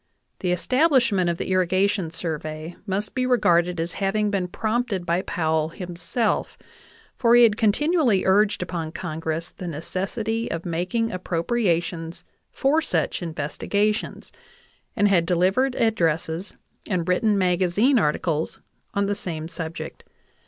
The establishment of the Irrigation Survey must be re garded as having been prompted by Powell himself, for he had continually urged upon Congress the necessity of making ap propriations for such investigations, and had delivered ad dresses and written magazine articles on the same subject.